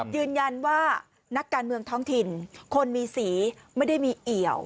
ยืนยันว่านักการเมืองท้องถิ่นคนมีสีไม่ได้มีเอี่ยว